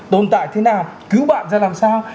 tồn tại thế nào cứu bạn ra làm sao